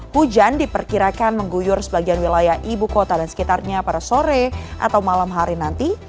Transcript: hujan diperkirakan mengguyur sebagian wilayah ibu kota dan sekitarnya pada sore atau malam hari nanti